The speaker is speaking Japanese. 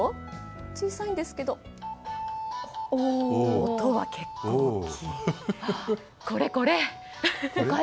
小さいんですけど音は結構大きい。